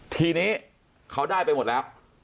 ทีนี้เขาได้ไปหมดแล้ว